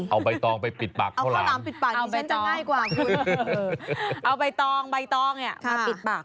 เอาใบตองไปปิดปากข้าวหลามเอาใบตองใบตองเนี่ยมาปิดปาก